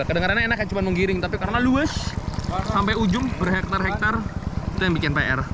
kedengarannya enaknya cuma menggiring tapi karena luas sampai ujung berhektar hektar itu yang bikin pr